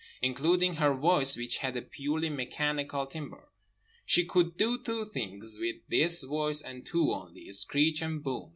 Including her voice, which had a purely mechanical timbre. She could do two things with this voice and two only—screech and boom.